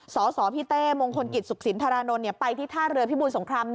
สคพิเต๋มงคลสธร๑ไปที่ท่าเรือพิบูรสงคราม๑